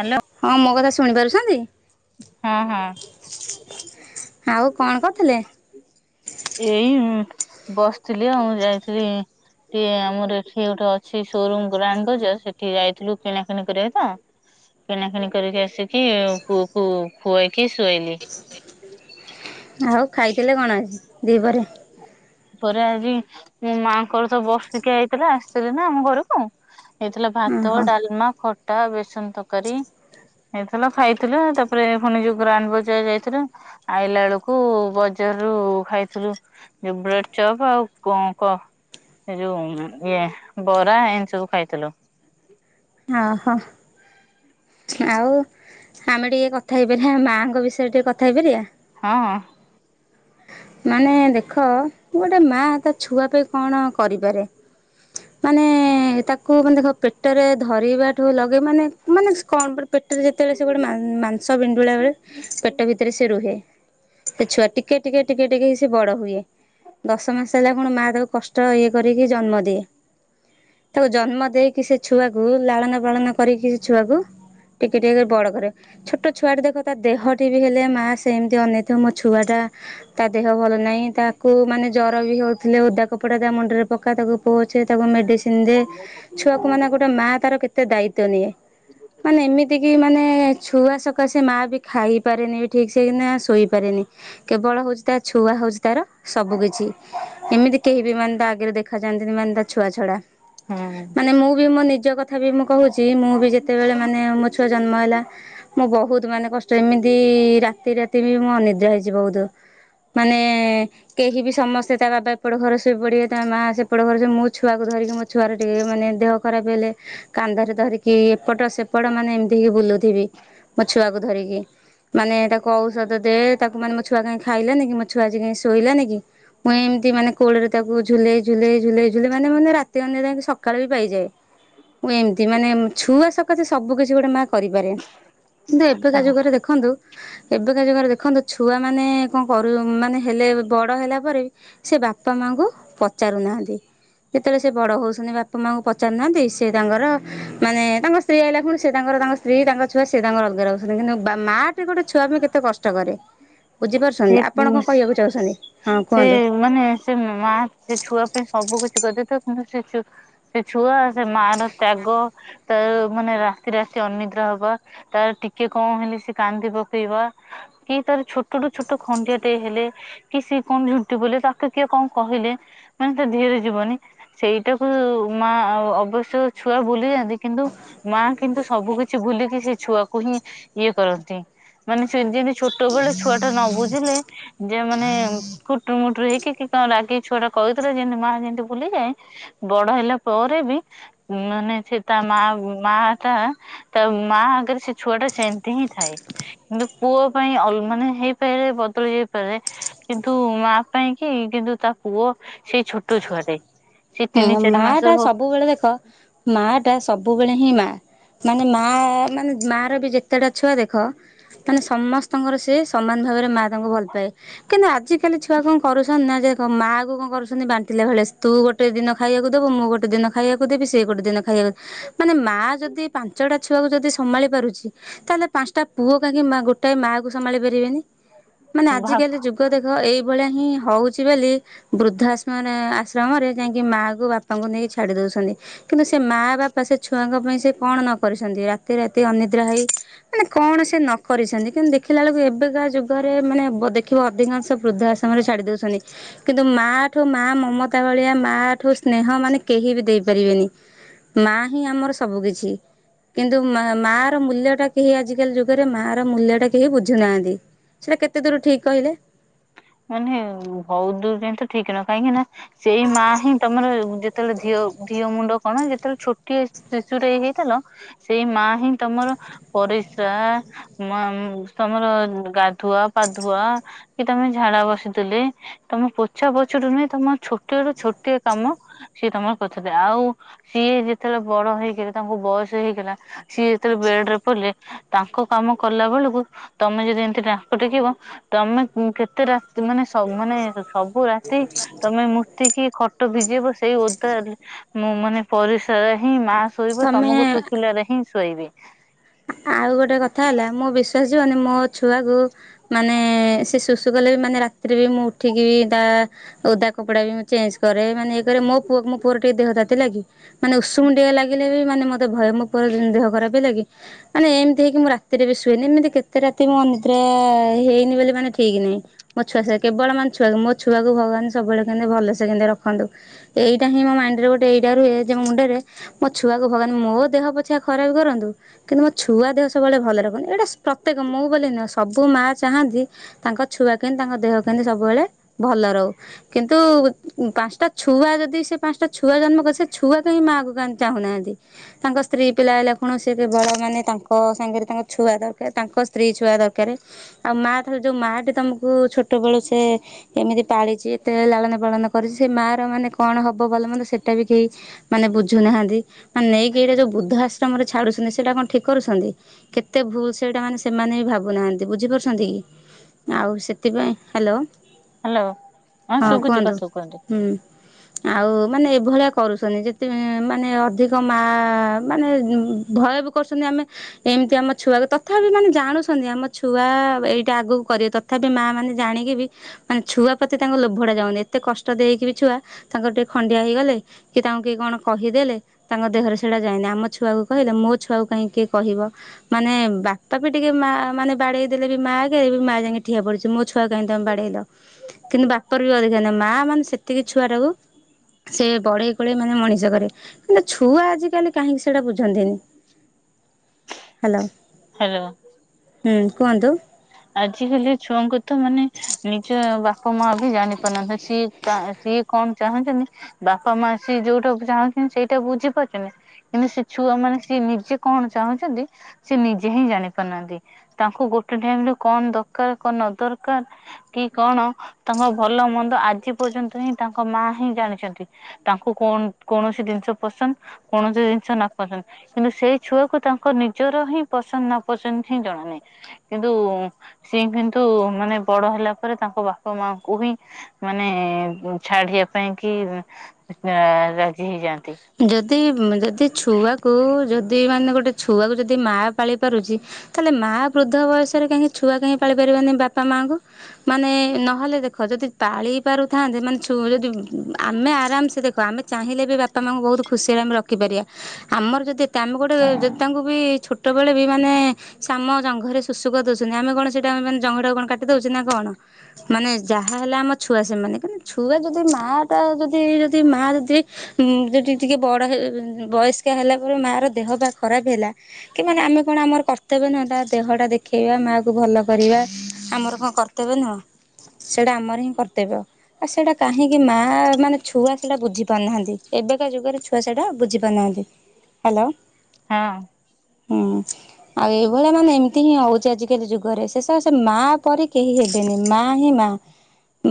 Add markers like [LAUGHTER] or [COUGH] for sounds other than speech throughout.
Hello ହଁ ମୋ କଥା ଶୁଣି ପାରୁଛନ୍ତି? ହଁ ହଁ ଆଉ କଣ କରୁଥିଲେ? ଏଇ ବସିଥିଲି ଆଉ ଯାଇଥିଲି ଟିଏ ଆମର ଏଠି ଗୋଟେ ଅଛି ସୋରୁମ ଗ୍ରାଣ୍ଡ ବଜାର ସେଠି ଯାଇଥିଲୁ କିଣାକିଣି କରିବାକୁ ତ। କିଣାକିଣି କରିକି ଆସିକି ପୁଅକୁ ଖୁଆଇକି ଶୁଆଇଲି। ଆଉ ଖାଇଥିଲେ କଣ ଆଜି ଦ୍ବିପହରରେ? ତା ପରେ ଆଜି ମାଆଙ୍କର ତ ବର୍ଷିକିଆ ହେଇଥିଲା ଆସିଥିଲି ନା ଆମ ଘରକୁ। ହେଇଥିଲା ଭାତ, ଓହୋ ଡାଲମା, ଖଟା ବେସନ ତରକାରୀ। ହେଇଥିଲା ଖାଇଥିଲୁ। ତାପରେ ପୁଣି ଯୋଉ ଗ୍ରାଣ୍ଡ ବଜାର ଯାଇଥିଲୁ ଆଇଲା ବେଳକୁ ବଜାରରୁ ଖାଇଥିଲୁ ବ୍ରେଡ ଚପ୍। ଆଉ ଙ୍କ କ ଏ ଯୋଉ ଇଏ ବରା ଏମିତି ସବୁ ଖାଇଥିଲୁ। ଅ ହ। ଆଉ ଆମେ ଟିକେ କଥା ହେଇପାରିବା ମାଙ୍କ ବିଷୟରେ ଟିକେ କଥା ହେଇପାରିବା? ହଁ। ମାନେ ଦେଖ ଗୋଟେ ମା ତା ଛୁଆ ପାଇଁ କଣ କରିପାରେ। ମାନେ ତାକୁ ମାନେ ଦେଖ ପେଟରେ ଧରିବାଠୁ ଲଗେଇ ମାନେ ମାନେ କଣ ପେଟରେ ଯେତେବେଳେ ସେ ଗୋଟେ ମାନ୍ ମାଂସ ପିଣ୍ଡୁଳା ବେଳେ ପେଟ ଭିତରେ ସେ ରୁହେ। ସେ ଛୁଆ ଟିକେ ଟିକେ ଟିକେ ଟିକେ ହେଇ ସେ ବଡ ହୁଏ। ଦଶ ମାସ ହେଲା କଣ ମାଆ ତାକୁ କଷ୍ଟ ଇଏ କରିକି ଜନ୍ମ ଦିଏ। ତାକୁ ଜନ୍ମ ଦେଇକି ସେ ଛୁଆକୁ ଲାଳନ ପାଳନ କରିକି ସେ ଛୁଆକୁ ଟିକେ ଟିକ କରି ବଡ କରେ। ଛୋଟ ଛୁଆଟେ ଦେଖ ତା ଦେହଟି ବି ହେଲେ ମା ସେମିତି ଅନେଇଥିବ ମୋ ଛୁଆ ଟା ଦେହ ଭଲ ନାହିଁ ତାକୁ ମାନେ ଜର ବି ହେଉଥିଲେ ଓଦା କପଡ଼ା ତା ମୁଣ୍ଡରେ ପକା ତାକୁ ପୋଛେ ତାକୁ ମେଡ଼ିସିନ୍ ଦେ। ଛୁଆକୁ ମାନେ ଗୋଟେ ମା ତାର କେତେ ଦାୟିତ୍ୱ ନିଏ। ମାନେ ଏତିକି ମାନେ ଛୁଆ ସକାଶେ ମାଆ ବି ଖାଇପାରେନି ଠିକ୍ ସେ ନା ଶୋଇପାରେନି। କେବଳ ହଉଚି ତା ଛୁଆ ହଉଚି ତାର ସବୁ କିଛି। ଏମିତି କେହି ବି ମାନେ ତା ଆଗରେ ଦେଖା ଯାଆନ୍ତିନି ମାନେ ତା ଛୁଆ ଛଡା। ହୁଁ ମାନେ ମୁଁ ବି ମୋ ନିଜ କଥା ବି ମୁଁ କହୁଚି ମୁଁ ବି ଯେତେବେଳେ ମାନେ ମୋ ଛୁଆ ଜନ୍ମ ହେଲା, ମୁଁ ବହୁତ ମାନେ କଷ୍ଟ ଏମିତି ତି ରାତି ରାତି ବି ମୁଁ ଅନିଦ୍ରା ହେଇଚି ବହୁତ। ମାନେ କେହି ବି ସମସ୍ତେ ତା ବାବା ଏପଟ ଘର ଶୋଇପଡିବେ ତା ମା ସେପଟ ଘର ମୁଁ ଛୁଆକୁ ଧରିକି ମୁଁ ଛୁଆର ଟିକେ ମାନେ ଦେହ ଖରାପ ହେଲେ। କାନ୍ଧରେ ଧରିକି ଏପଟ ସେପଟ ମାନେ ଏମିତିି ହେଇକି ବୁଲୁଥିବି ମୋ ଛୁଆକୁ ଧରିକି। ମାନେ ତାକୁ ଔଷଧ ଦେ ତାକୁ ମାନେ ମୋ ଛୁଆ କାହିଁ ଖାଇଲାନି କି? ମୋ ଛୁଆ ଆଜି କାଇ ଶୋଇଲାନି କି? ମୁଁ ଏମିତି ମାନେ କୋଳରେ ତାକୁ ଝୁଲେଇ ଝୁଲେଇ ଝୁଲେଇ ଝୁଲେଇ ମାନେ ମାନେ ରାତି ଅନିଦ୍ରା ହେଇକି ସକାଳ ବି ପାଇଯାଏ। ମୁଁ ଏମିତି ମାନେ ଛୁଆ ସକାସେ ସବୁ କିଛି ଗୋଟେ ମା କରିପାରେ କିନ୍ତୁ ଏବେକା ଯୁଗରେ ଦେଖନ୍ତୁ ଏବେକା ଯୁଗରେ ଦେଖନ୍ତୁ ଛୁଆମାନୋନ କ'ଣ? କରୁ ମାନେ ହେଲେ ବଡ଼ ହେଲା ପରେ ବି ସେ ବାପା ମାଆଙ୍କୁ ପଚାରୁନାହାଁନ୍ତି! ଯେତେବେଳେ ସେ ବଡ ହଉଛନ୍ତି ବାପା ମାଙ୍କୁ ପଚାରୁନାହାନ୍ତି। ସେ ତାଙ୍କର ମାନେ ତାଙ୍କ ସ୍ତ୍ରୀ ଆଇିଲା ଖୁଣୁ ସେ ତାଙ୍କର ତାଙ୍କ ସ୍ତ୍ରୀ ତାଙ୍କ ଛୁଆ ସେ ତାଙ୍କ ଅଲଗା ରହୁଛନ୍ତି କିନ୍ତୁ ମା ଗୋଟେ ଛୁଆ ପାଇଁ କେତେ କଷ୍ଟ କରେ! ବୁଝିପାରୁଛନ୍ତି ସେ ଆପଣ କ'ଣ କହିବାକୁ ଚାହୁଛନ୍ତି? ହଁ ସେ କୁହନ୍ତୁ! ମାନେ ସେ ମା ସେ ଛୁଆ ପାଇଁ ସବୁ କିଛି କରିଦେଇି। ପାରିବ କିନ୍ତୁ ସେ ସେ ଛୁଆ ସେ ମା ର ତ୍ୟାଗ ତ ମାନେ ରାତି ରାତି ଅନିଦ୍ରା ହବା ତାର ଟିକେ କ'ଣ ହେଲେ ସେ କାନ୍ଦି ପକେଇବା କି ତାର ଛୋଟଠୁ ଛୋଟ ଖଣ୍ଡୀଆ ଟିଏ ହେଲେ କି ସେ କଣ ଝୁଣ୍ଟି ପଇଲେ ତାକୁ କିଏ କ'ଣ କହିଲେ ମାନେ ତା ଧୀଏରେ ରେ ଯିବନି! ସେଇଟାକୁ ମା ଅବଶ୍ୟ ଛୁଆ ଭୁଲି ଯାଆନ୍ତି। କିନ୍ତୁ ମା କିନ୍ତୁ ସବୁ କିଛି ଭୁଲିକି ସେ ଛୁଆକୁ ହିଁ ଇଏ କରନ୍ତି! ମାନେ ସେ ଯେମିତି ଛୋଟବେଳୁ ଛୁଆଟା ନ ବୁଝିଲେ ଯେ ମାନେ କୁଟୁରୁ ମୁଟୁର ହେଇକି କି କ'ଣ ରାଗି ଛୁଆଟା କହିଦେଲେ ଯେମତି ମା ଯେମିତି ବୁଲିଯାଏ। ବଡ ହେଲା ପରେ ବି ମାନେ ସେ ତା ମା ମା ତା ତା ମା ଆଗରେ ସେ ଛୁଆ ଟା ସେମିତି ହିଁ ଥାଏ କିନ୍ତୁ ପୁଅ ପାଇଁ ମାନେ ଫେରେ ବଦଳି ଯାଇପାରେ! କିନ୍ତୁ ମା ପାଇଁ କି କିନ୍ତୁ ତା ପୁଅ ସେଇ ଛୋଟ ଛୁଆଟାଏ! ହୁଁ, ମା ଟା ସବୁବେଳେ ଦେଖ ମା ଟା ସବୁବେଳେ ହିଁ ମା! ମାନେ ମା ମାନେ ମା ର ବି ଯେତେଟା ଛୁଆ ଦେଖ ମାନେ ସମସ୍ତଙ୍କର ସେ ସମାନ ଭାବରେ ମାଆ ତାଙ୍କୁ ଭଲ ପାଏ କିନ୍ତୁ ଆଜିକାଲି ଛୁଆ କ'ଣ କରୁଛନ୍ତିନ୍ ନା ହଁ ମାଆ କୁ କ'ଣ କରୁଛନ୍ତି। ବାଣ୍ଟିଲା ଭଳିଆ ତୁ ଗୋଟେ ଗୋଟେ ଦିନ ଖାଇବାକୁ ଦବୁ ମୁଁ ଗୋଟେ ଦିନ ଖାଇବାକୁ ଦେବି ସେ ଗୋଟେ ଦିନ ଖାଇବାକୁ ମାନେ ମା ଯଦି ପାଞ୍ଚଟା ଛୁଆକୁ ଯଦି ସମ୍ଭାଳି ପାରୁଛି ତାହେଲେ ପାଞ୍ଚଟା ପୁଅ କାହିଁକି ମା ଗୋଟାଏ ମାଆ କୁ ସମ୍ଭାଳି ପାରିବେନି ମାନେ ଭାବ ଆଜିକାଲି ଯୁଗ ଦେଖ ଏଇଭଳିଆ ହିଁ ହଉଛି ବୋଲି ବୃଦ୍ଧାଶମ ରେ ଆଶ୍ରମରେ ଯାଇକି ମାଆଙ୍କୁ ବାପାଙ୍କୁ ନେଇକି ଛାଡ଼ି ଦଉଛନ୍ତି କିନ୍ତୁ ସେ ମାଆ ବାପା ସେ ଛୁଆଙ୍କ ପାଇଁ ସେ କ'ଣ ନ କରିଛନ୍ତି। ରାତି ରାତି ଅନିଦ୍ରା ହେଇ ମାନେ କଣ ସେ ନ କରିଛନ୍ତି। କିନ୍ତୁ ଦେଖିଲା ବେଳକୁ ଏବେକାା ଯୁଗରେ ମାନେ ଦେଖିବ ଅଧିକାଂଶ ବୃଦ୍ଧା ଶ୍ରମ ରେ ଛାଡି ଦଉଛନ୍ତି କିନ୍ତୁ ମାଠୁ ମା ମମତା ଭଳିଆ ମା ତା ଠୁ ସ୍ନେହ ମାନେ କେହି ବି ଦେଇ ପାରିବେନି ମା ହିଁ ଆମର ସବୁ କିିଛି! କିନ୍ତୁ ମା ର ମୂଲ୍ୟ ଟା କେହି ଆଜିକାଲି ଯୁଗରେ ମା ର ମୂଲ୍ୟ ଟା କେହି ବୁଝୁ ନାହାନ୍ତି! ସେଇଟା କେତେ ଦୂର ଠିକ୍ କହିଲେ? ମାନେ ବହୁତ ଦୂର ପାଇଁ ତ ଠିକ ନୁହେଁ କାହିଁକି ନା ସେଇ ମା ହିଁ ତମର ଯେତେବେଳେ ଦେହ ମୁଣ୍ଡ କଣ ଯେତେବେଳେ ଛୋଟିଆ ଶିଶୁଟିଏ ହେଇଥିଲ ସେଇ ମା ହିଁ ତମର ପରିସ୍ରା ତମର ଗାଧୁଆ ପାଧୁଆ କି ତମେ ଝାଡା ବସିଥିଲେ ତମେ ପୋଛା ପଛରୁୁ ହିଁ ତମ ଛୋଟିଆରୁୁ ଛୋଟିଆ କାମ ସିଏ ତମର କଥା ଆଉ ସିଏ ଯେତେବେଳେ ବଡ ହେଇଗଲେ ତାଙ୍କୁ ବୟସ ହେଇଗଲା ସିଏ ଜେତେବେଳେ ବେଡ୍ ରେ ପଡିଲେ ତାଙ୍କ କାମ କଲା ବେଳକୁ ତମେ ଯଦି ଏମତି ଟାଙ୍କ ଟେକିବ ତମେ କେତେ ରାତି ମାନେ ମାନେ ସବୁ ରାତି ତମେ ମୂତି କି ଖଟ ଭିଜେଇିବ ସେଇ ଓଦା ମୁଁ ମାନେ ପରିସ୍ରାରେ ହିଁ ମା ଶୋଇବେ ତମେ ତମକୁ ଶୁଖିଲାରେ ହିଁ ଶୋଇବେ! ଆଉ ଗୋଟେ କଥା ହେଲା ମୋ ବିଶ୍ୱାସ ଯିବନି ମୋ ଛୁଆକୁ ମାନେ ସେ ଶୁଶୁ କଲେ ବି ମାନେ ରାତିରେ ବି ମୁଁ ଉଠିକି ବି ତା ଓଦା କପଡା ବି ମୁଁ ଚେଞ୍ଜ କରେ ମାନେ ଇଏ କରେ ମୋ ପୁଅକୁ ମୁଁ ପୁଅର ଟିକେ ଦେହ ତାତିଲା କି ମାନେ ଉଷୁମ ଟିକେ ଲାଗିଲେ ବି ମାନେ ମତେ ଭୟ ମୋ ପୁଅର ଦେହ ଖରାପ ହେଲାକି! ମାନେ ଏମିତି ହେଇକି ମୁଁ ରାତିରେ ବି ଶୁଏନି ଏମିତି କେତେ ରାତି ମନ୍ଦିରେ ହେଇନି ବୋଲି ମାନେ ଠିକ ନାହିଁ। ମୋ ଛୁଆ ସେ କେବଳ ମାନେ ଛୁଆ ମୋ ଛୁଆକୁ ଭଗବାନ ସବୁବେଳେ କେମିତି ଭଲସେ କେ ରଖନ୍ତୁ। ଏଇଟା ହିଁ ମାଇଣ୍ଡରେ ଗୋଟେ ଏଇଟା ରୁହେ ଯେ ମୋ ମୁଣ୍ଡରେ ମୋ ଛୁଆକୁ ଭଗବାନ ମୋ ଦେହ ପଛିଆ ଖରାପ କରନ୍ତୁ। କିନ୍ତୁ ମୋ ଛୁଆ ଦେହ ସବୁବେଳେ ଭଲ ରଖନି ଏଇଟା ପ୍ରତ୍ୟେକ ମୁଁ ବୋଲି ନୁହେଁ ସବୁ ମାଆ ଚାହାନ୍ତି ତାଙ୍କ ଛୁଆ କେମତି ତାଙ୍କ ଦେହ କେମତି ସବୁବେଳେ ଭଲ ରହୁ। କିନ୍ତୁ ପାଞ୍ଚଟା ଛୁଆ ଯଦି ସେ ପାଞ୍ଚଟା ଛୁଆ ଜନ୍ମ କରେ ସେ ଛୁଆ କାହିଁ ମାଆକୁ ଚାହୁଁନାହାନ୍ତି। ତାଙ୍କ ସ୍ତ୍ରୀ ପିଲା ହେଲା କଣ ସେତେ ଭଲ। ମାନେ ତାଙ୍କ ସାଙ୍ଗରେ ତାଙ୍କ ଛୁଆ ଦରକାର ତାଙ୍କ ସ୍ତ୍ରୀ ଛୁଆ ଦରକାରେ। ଆଉ ମା [UNINTELLIGIBLE] ଯୋଉ ମାଟି ତମକୁ ଛୋଟ ବେଳୁ ସେ ଏମିତି ପାଳିଛି ଏତେ ଲାଳନ ପାଳନ କରିଛି ସେ ମାଆ ର ମାନେ କଣ ହବ ଭଲ ମନ୍ଦ ସେଇଟା ବି କେହି ମାନେ ବୁଝୁନାହାନ୍ତି ମାନେ ନେଇକି ଏଇଟା ଯୋଉ ବୁଦ୍ଧ ଆଶ୍ରମରେ ଛାଡୁଛନ୍ତି ସେଇଟା କଣ ଠିକ କରୁଛନ୍ତି କେତେ ଭୁଲ ସେଇଟା ମାନେ ସେମାନେ ବି ଭାବୁନାହାନ୍ତି ବୁଝିପାରୁଛନ୍ତି। ଆଉ ସେଥିପାଇଁ ହ୍ୟାଲୋ ହ୍ୟାଲୋ ହଁ କୁହନ୍ତୁ ହୁଁ। ହଁ [INAUDIBLE] ଆଉ ମାନେ ଏଭଳିଆ କରୁଛନ୍ତି ଯେତେ ମାନେ ଅଧିକ ମା ମାନେ ଭୟ କରୁଛନ୍ତି ଆମେ ଏମିତି ଆମ ଛୁଆ ତଥାପି ମାନେ ଜାଣୁଛନ୍ତି ଆମ ଛୁଆ ଏଇଟା ଆଗକୁ କରିବା କ ତଥାପି ମା ମାନେ ଜାଣିକି ବି? ମାନେ ଛୁଆପ୍ରତି ତାଙ୍କ ଲୋଭଡା ଯାଉନି ଏତେ କଷ୍ଟ ଦେଇ ହେଇକି ବି ଛୁଆ ତାଙ୍କର ଟିକେ ଖଣ୍ଡିଆ ହେଇଗଲେ କି ତାଙ୍କୁ କି କଣ କହିଦେଲେ ତାଙ୍କ ଦେହରେ ସେଇଟା ଯାଇନି ଆମ ଛୁଆକୁ କହିଲେ ମୁଁ ଛୁଆଉ କାହିଁ କିଏ କହିବ। ମାନେ ବାପା ବି ଟିକେ ମା ମାନେ ବାଡେଇ ଦେଲେ ବି ମା ଆଗରେ ବି ମାଆ ଯାଇକି ଠିଆ ପଡିୁଛି ମୋ ଛୁଆ କାହିଁକି ତମେ ବାଡେଇଲ କିନ୍ତୁ ବାପର ବି ଅଧିକାର ନାହିଁ ମା ମାନେ ସେତିକି ଛୁଆଟାକୁ ସେ ବଢେଇ କଳେଇ ମାନେ ମଣିଷ କରେ କିନ୍ତୁ ଛୁଆ ଆଜିକାଲି କାହିଁକି ସେଇଟା ବୁଝନ୍ତିନି। ହ୍ୟାଲୋ। ହ୍ୟାଲୋ। ହୁଁ କୁହନ୍ତୁ। ଆଜିକାଲି ଛୁଆଙ୍କୁ ତ ମାନେ ନିଜ ବାପା ମା ବି ଜାଣି ପାରୁନଥା ସିଏ ତା ସିଏ କଣ ଚାହୁଁଛନ୍ତି ବାପା ମା ସିଏ ଯୋଉଟା ଚାହୁଁଛନ୍ତି ସେଇଟା ବୁଝିପାରୁଛନ୍ତି। କିନ୍ତୁ ସେ ଛୁଆ ମାନେ ସିଏ ନିଜେ କଣ ଚାହୁଁଛନ୍ତି। ସେ ନିଜେ ହିଁ ଜାଣି ପାରୁନାହାନ୍ତି ତାଙ୍କୁ ଗୋଟେ ଟାଇମରେ କଣ ଦରକାର କଣ ନ ଦରକାର କି କଣ ତାଙ୍କ ଭଲ ମନ୍ଦ ଆଜି ପର୍ଯ୍ୟନ୍ତ ହିଁ ତାଙ୍କ ମା ହିଁ ଜାଣିଛନ୍ତି। ତାଙ୍କୁ କଣ କୌଣସି ଜିନିଷ ପସନ୍ଦ କୌଣସି ଜିନିଷ ନା ପସନ୍ଦ। କିନ୍ତୁ ସେଇ ଛୁଆକୁ ତାଙ୍କ ନିଜର ହିଁ ପସନ୍ଦ ନା ପସନ୍ଦ ହିଁ ଜଣାନାହିଁ କିନ୍ତୁ ସିଏ କିନ୍ତୁ ମାନେ ବଡ ହେଲା ପରେ ତାଙ୍କ ବାପା ମାଙ୍କୁ ହିଁ ମାନେ ଛାଡିବା ପାଇଁ କି ରା ରାଜି ହେଇଯାଆନ୍ତି। ଯଦି ଯଦି ଛୁଆକୁ ଯ ଯଦି ମାନେ ଗୋଟେ ଛୁଆକୁ ଯଦି ମା ପାଳି ପାରୁଛି ତାହେଲେ ମା ବୃଦ୍ଧ ବୟସ କାହିଁକି ଛୁଆ କାହିଁକି ପାଳି ଳି ପାରିବନି ବାପା ମାଆଙ୍କୁ? ମାନେ ନହେଲେ ଦେଖ ଯଦି ପାଳି ପାରୁଥାନ୍ତେ ମାନେ ଛୁ ଯଦି ଆମେ ଆରାମସେ ଦେଖ ଆମେ ଚାହିଁଲେ ବି ବାପା ମାଆଙ୍କୁ ବହୁତ ଖୁସିରେ ଆମେ ରଖିପାରିବା। ଆମର ଯଦି ତାମେ ଗୋଟେ ଯଦି ତାଙ୍କୁ ବି ଛୋଟ ବେଳେ ବି ମାନେ ଶାମ ଜଙ୍ଘରେ ସୁଶୁ କରି ଦଉଛନ୍ତିି ଆମେ କଣ ସେଇଟା ମାନେ ଜଙ୍ଘଟା କଣ କାଟି ଦଉଛେ ନା କଣ? ମାନେ ଯାହା ହେଲା ଆମ ଛୁଆ ସେମାନେ ଯଦି ଛୁଆ ଯଦି ମା ଟା ଯଦି ଯଦି ମା ଯଦି ଯଦି ଟିକିଏ ବଡ଼ ହେଁ ବୟସ୍କା ହେଲା ପରେ ମାଆର ଦେହ ବା ଖରାପ ହେଲା। କି ମାନେ ଆମେ କଣ ଆମର କର୍ତ୍ତବ୍ୟ ନୁହଁ ତା ଦେହ ଟା ଦେଖେଇବା ମା କୁ ଭଲ କରିବା ଆମର କଣ କର୍ ତେବେ ନୁହଁ। ସେଇଟା ଆମର ହିଁ କର୍ତ୍ତବ୍ୟ ଆଉ ସେଇଟା କାହିଁକି ମା ମାନେ ଛୁଆ ସେଇଟା ବୁଝି ପାରୁନାହାନ୍ତି। ଏବେକା ଯୁଗରେ ଛୁଆ ସେଟା ବୁଝିପାରୁନାହାନ୍ତି ହ୍ୟାଲୋ। ହଁ। ହୁଁ। ଆଉ ଏଇଭଳିଆ ମାନେ ଏମିତି ହିଁ ହଉଛି ଆଜିକାଲି ଯୁଗରେ ଶେଷର ସେ ମା ପରି କେହି ହେ ମା ହିଁ ମା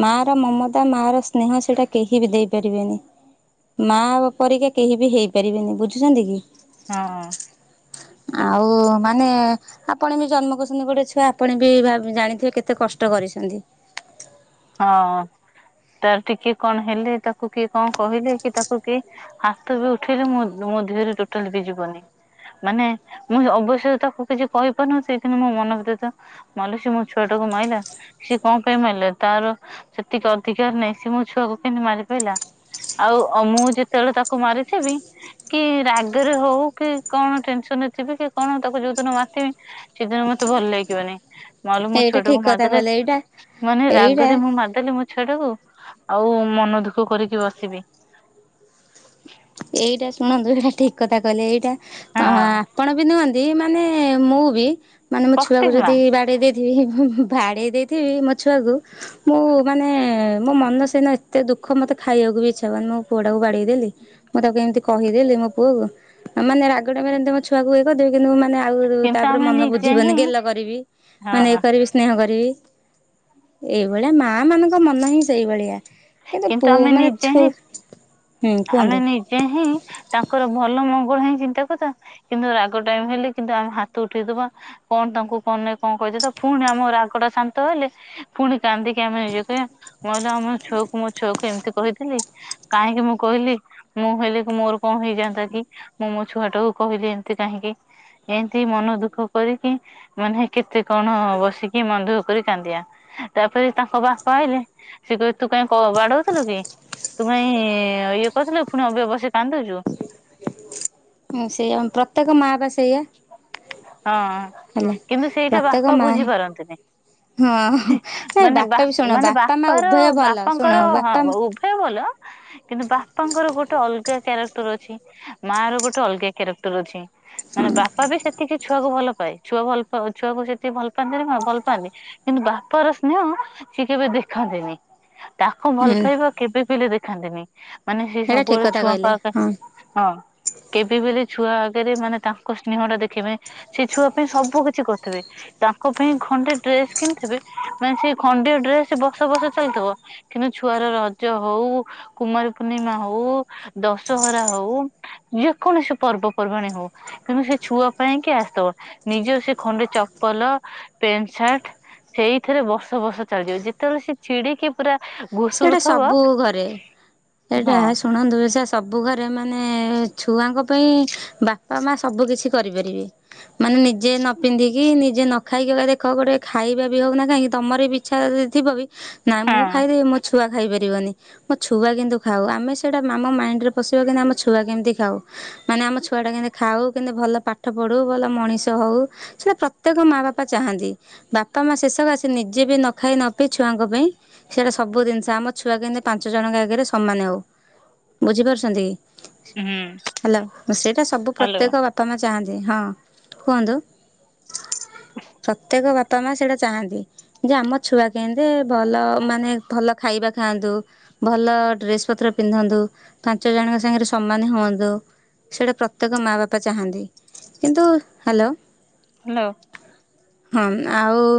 ମା ର ମମତା ମା ର ସ୍ନେହ ସେଇଟା କେହି ବି ଦେଇପାରିବେନି। ମା ବାପ ପରିକା କେହି ବି ହେଇପାରିବେନି ବୁଝୁଛନ୍ତି କି? ହଁ ହଁ। ଆଉ ମାନେ ଆପଣ ବି ଜନ୍ମ କରିଛନ୍ତି ଗୋଟେ ଛୁଆ ଆପଣ ବି ଭାବ ଜାଣିଥିବେ କେତେ କଷ୍ଟ କରିଛନ୍ତି? ହଁ ତାର ଟିକେ କଣ ହେଲେ, ତାକୁ କିଏ କଣ କହିଲେ, କି ତାକୁ କିଏ ହାତ ବି ଉଠେଇଲେ ମୋ ମୋ ଦେହରେ ଟୋଟାଲ ବି ଯିବନି। ମାନେ ମୁଁ ଅବଶ୍ୟ ତାକୁ କିଛି କହିପାରୁନି ସେଥିପାଇଁ ମୋ ମନ ଭିତରେ ତାହା ମଲା ସିଏ ମୋ ଛୁଆ ଟାକୁ ମାଇଲା ସିଏ କଣ ପାଇଁ ମାଇଲା? ତାର ସେତିକି ଅଧିକାର ନାହିଁ ସିଏ ମୋ ଛୁଆକୁ କେମତି ମାରି ପାଇଲା? ଆଉ ଅ ମୁଁ ଯେତେବେଳେ ତାକୁ ମାରିଥିବି କି ରାଗରେ ହଉ କି କଣ ଟେନସନରେ ଥିବି କି କଣ ତାକୁ ଯୋଉ ଦିନ ମାରିଥିବି ସେଦିନ ମତେ ଭଲ ଲାଗିବନି ମାଲୋ ମୋ ଏଇଟା ଛୁଆଟାକୁ ଠିକ କଥା ମାରଦେଲି କହିଲେ ଏଇଟା ମାନେ ରା ଏଇଟା ମୁଁ ମାରଦେଲି ମୋ ଛୁଆ ଟାକୁ ଆଉ ମନ ଦୁଃଖ କରିକି ବସିବି। ଏଇଟା ଶୁଣନ୍ତୁ ଏଇଟା ଠିକ କଥା କହିଲେ ଏଇଟା ତ ହଁ। ଆପଣ ବି ନୁହନ୍ତି ମାନେ ମୁଁ ବି ମାନେ ମୋ ଛୁଆକୁ ପ୍ରତ୍ୟେକ ମା ଯଦି ବାଡ଼େଇ ଦେଇ ଥିବି ବାଡେଇ ଦେଇଥିବି ମୋ ଛୁଆକୁ। ମୁଁ ମାନେ ମୋ ମନ ସେଦିନ ଏତେ ଦୁଃଖ ମତେ ଖାଇବାକୁ ବି ଇଚ୍ଛା ହେଲାନି ମୋ ପୁଅ ଟା କୁ ବାଡେଇ ଦେଲି। ମୁଁ ତାକୁ ଏମିତି କହିଦେଲି ମୋ ପୁଅକୁ ମାନେ ରାଗ ଟାଇମରେ ଏମିତି ମୋ ଛୁଆକୁ କେ କରିଦେବି କିନ୍ତୁ ମାନେ ଆଉ କିନ୍ତୁ ତାପରେ ଆମେ ମନ ନିଜେ ବୁଝିବନି ହିଁ ଗେଲ କରିବି। ମାନେ ଇ ହଁ କରିବି ସ୍ନେହ କରିବି। ଏଇଭଳିଆ ମା ମାନଙ୍କ ମନ ହିଁ ସେଇଭଳିଆ। କିନ୍ତୁ ପୁ ଆମେ ମାନେ ନିଜେ ଛୁ ହୁଁ କୁହନ୍ତୁ। ଯେ ହିଁ ତାଙ୍କର ଭଲ ମଙ୍ଗଳ ହିଁ ଚିନ୍ତା କଥା କିନ୍ତୁ ରାଗ ଟାଇମ ହେଲେ କିନ୍ତୁ ଆମେ ହାତ ଉଠେଇଦବା କଣ ତାଙ୍କୁ କଣନାଇ କଣ କହିଦେଇଥବା ଫୁଣି ଆମ ରାଗ ଟା ଶାନ୍ତ ହେଲେ ଫୁଣି କାନ୍ଦିକି ଆମେ ନିଜକୁ କହିଆ ମାଲୋ ଆମ ଛୁଆକୁ ମୋ ଛୁଆକୁ ଏମିତି କହିଥିଲି। କାହିଁକି ମୁଁ କହିଲି? ମୁଁ ହେଲେ କି ମୋର କଣ ହେଇଯାନ୍ତା କି ମୁଁ ମୋ ଛୁଆ ଟା କୁ କହିଲି ଏମିତି କାହିଁକି? ଏମିତି ମନ ଦୁଃଖ କରିକି ମାନେ କେତେ କଣ ବସିକି ମନ ଦୁଃଖ କରି କାନ୍ଦିଆ? ତାପରେ ତାଙ୍କ ବାପା ଆଇଲେ ସେ କହିବେ ତୁ ତୁ କାଇଁ କ ବାଡଉଥିଲୁ କି ତୁ କାଇଁ ଇଏ କରିଥିଲୁ ପୁଣି ଅବିକା ବସି କାନ୍ଦୁଛୁ। ହଁ ସେଇଆ ପ୍ରତ୍ୟେକ ମା ବା ସେଇଆ। ହେଲା ହଁ କିନ୍ତୁ ସେଇଟା ପ୍ରତ୍ୟେକ ବାପା ମା ବୁଝିପାରନ୍ତିନି। ହଁ ନାଇଁ ମାନେ ବା ବାପା ବି ଶୁଣ ମାନେ ବାପା ମା ବାପାର ଉଭୟ ଭଲ ଶୁଣ ବାପାଙ୍କର ବାପା ହଁ ହେ ଭଲ। କିନ୍ତୁ ବାପାଙ୍କର ଗୋଟେ ଅଲଗା କ୍ୟାରେକ୍ଟର ଅଛି ମା ର ଗୋଟେ ଅଲଗା କ୍ୟାରେକ୍ଟର ଅଛି। ମାନେ ହୁଁ ବାପା ବି ସେତିକି ଛୁଆକୁ ଭଲ ପାଏ ଛୁଆ ଭଲ ପା ଛୁଆକୁ ସେତିକି ଭଲ ପାଆନ୍ତିନି କଣ ଭଲ ପାଆନ୍ତି। କିନ୍ତୁ ବାପ ର ସ୍ନେହ ସିଏ କେବେ ଦେଖନ୍ତିନି? ତାକୁ ଭଲ ହୁଁ ପାଇବା କେବେ ବେଲି ଦେଖାନ୍ତିନି ମାନେ ସେ ଏଇଟା ଠିକ ସବୁବେଳେ କଥା କହିଲେ ଛୁଆଙ୍କ ଆ ହଁ ହଁ କେବେ ବେଲି ଛୁଆ ଆଗେରେ ମାନେ ତାଙ୍କ ସ୍ନେହ ଟା ଦେଖିବା ପାଇଁ ସେ ଛୁଆ ପାଇଁ ସବୁ କିଛି କରିଥିବେ। ତାଙ୍କ ପାଇଁ ଖଣ୍ଡେ ଡ୍ରେସ କିଣିଥିବେ ମାନେ ସେ ଖଣ୍ଡିକ ଡ୍ରେସ ବର୍ଷ ବର୍ଷ ଚାଲିଥିବ। କିନ୍ତୁ ଛୁଆର ରଜ, ହଉ କୁମାରୀ ପୂର୍ଣ୍ଣିମା ହଉ, ଦଶହରା ହଉ ଯେ କୌଣସି ପର୍ବପର୍ବାଣୀ ହଉ। କିନ୍ତୁ ସେ ଛୁଆ ପାଇଁ କି ଆସିଥବ ନିଜ ସେ ଖଣ୍ଡେ ଚପଲ ପେଣ୍ଟ ସାର୍ଟ ସେଇଥିରେ ବର୍ଷ ବର୍ଷ ଚାଲିଯିବ ଯେତେବେଳେ ସେ ଛିଡିକି ପୁରା ସେଇଟା ଘୁଷୁରୁଥିବ ସବୁ ଘରେ ସେଇଟା ହଁ ଶୁଣନ୍ତୁ ସା ସବୁ ଘରେ ମାନେ ଛୁଆଙ୍କ ପାଇଁ ବାପା ମା ସବୁ କିଛି କରିପାରିବେ। ମାନେ ନିଜେ ନ ପିନ୍ଧିକି ନିଜେ ନ ଖାଇକି ଦେଖ ଗୋଟେ ଖାଇବା ବି ହଉ ନା କାହିଁକି ତମର ବି ଇଚ୍ଛା ଥିବ ବି ନା ହଁ ମୁଁ ଖାଇଦେବି ମୋ ଛୁଆ ଖାଇପାରିବନି। ମୋ ଛୁଆ କିନ୍ତୁ ଖାଉ ଆମେ ସେଇଟା ଆମ ମାଇଣ୍ଡରେ ପଶିବା କିନ୍ତୁ ଆମ ଛୁଆ କେମିତି ଖାଉ। ମାନେ ଆମ ଛୁଆ ଟା କେନ୍ତି ଖାଉ କେନ୍ତି ଭଲ ପାଠ ପଢୁ ଭଲ ମଣିଷ ହଉ। ସେଇଟା ପ୍ରତ୍ୟେକ ମା ବାପା ଚାହାଁନ୍ତି। ବାପା ମା ଶେଷକ ଆସି ନିଜେ ବି ନ ଖାଇ ନ ପି ଛୁଆଙ୍କ ପାଇଁ ସେଟା ସବୁ ଜିନି ସା ଆମ ଛୁଆ କେମିତି ପାଞ୍ଚ ଜଣଙ୍କ ଆଗରେ ସମାନ ହଉ ବୁଝିପାରୁଛନ୍ତି କି। ହୁଁ ହେଲା ସେଇଟା ସବୁ ହ୍ୟାଲୋ ପ୍ରତ୍ୟେକ ବା ବାପା ମା ଚାହାଁନ୍ତି ହଁ କୁହନ୍ତୁ ପ୍ରତ୍ୟେକ ବାପା ବାପା ମା ସେଇଟା ଚାହାଁନ୍ତି ଯେ ଆମ ଛୁଆ କେଁନ୍ତି ଭଲ ମାନେ ଭଲ ଖାଇବା ଖାଆନ୍ତୁ। ଭଲ ଡ୍ରେସ ପତ୍ର ପିନ୍ଧନ୍ତୁ ପାଞ୍ଚ ଜଣଙ୍କ ସାଙ୍ଗରେ ସମାନ ହୁଅନ୍ତୁ। ସେଇଟା ପ୍ରତ୍ୟେକ ମା ବାପା ଚାହାଁନ୍ତି କିନ୍ତୁ ହାଲୋ। ହ୍ୟାଲୋ। ହଁ ଆଉ।